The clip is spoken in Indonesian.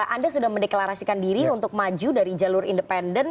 anda sudah mendeklarasikan diri untuk maju dari jalur independen